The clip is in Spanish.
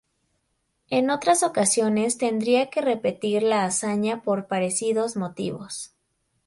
En otras ocasiones tendría que repetir la hazaña por parecidos motivos.